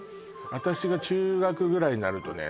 私が中学ぐらいになるとね